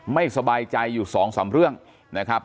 ไม่สบายใจอยู่สองสามเรื่องนะครับ